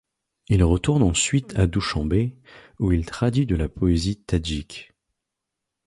Il retourne ensuite à Douchanbé où il traduit de la poésie tadjike.